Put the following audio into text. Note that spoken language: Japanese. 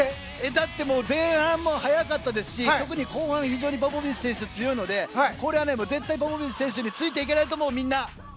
だって前半も速かったですし特に後半、非常にポポビッチ選手強いのでこれは絶対ポポビッチ選手についていけないと思う、みんな。